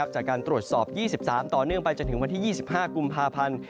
จากการตรวจสอบ๒๓ต่อเนื่องไปจนถึงวันที่๒๕กุมภาพันธ์